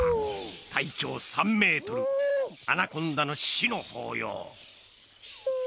体長３ｍアナコンダの死の抱擁。